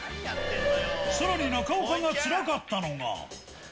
さらに中岡がつらかったのが。